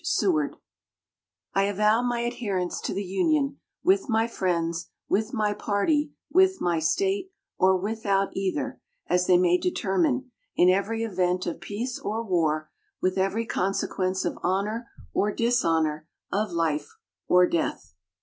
SEWARD I avow my adherence to the Union, with my friends, with my party, with my State; or without either, as they may determine; in every event of peace or war, with every consequence of honor or dishonor, of life or death.